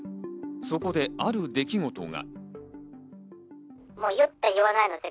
そこである出来事が。